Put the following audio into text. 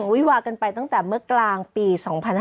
วิวากันไปตั้งแต่เมื่อกลางปี๒๕๕๙